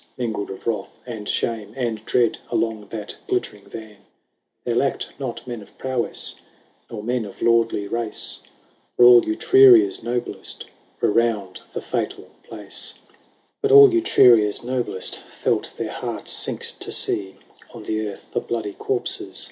Mingled of wrath, and shame, and dread, Along that glittering van. There lacked not men of prowess, Nor men of lordly race ; For all Etruria's noblest Were round the fatal place. 68 LAYS OF ANCIENT KOME. XLIX. But all Etruria's noblest Felt their hearts sink to see On the earth the bloody corpses.